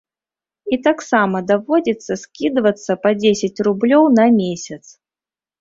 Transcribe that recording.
І таксама даводзіцца скідвацца па дзесяць рублёў на месяц.